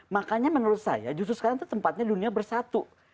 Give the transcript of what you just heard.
makanya menurut saya justru sekarang itu tempatnya dunia bersatu